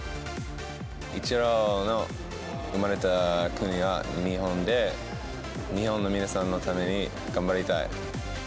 イチローの生まれた国は日本で、日本の皆さんのために頑張りたい。